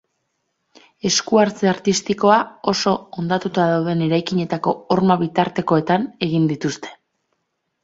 Esku-hartze artistikoa oso hondatuta dauden eraikinetako horma bitartekoetan egiten dituzte.